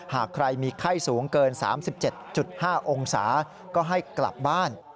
หากใครมีไข้สูงเกิน๓๗๕องศาก็ให้กลับบ้าน